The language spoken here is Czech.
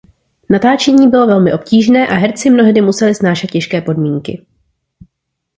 Natáčení bylo velmi obtížné a herci mnohdy museli snášet těžké podmínky.